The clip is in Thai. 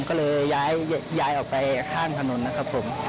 ก็เลยย้ายออกไปข้างถนนนะครับผม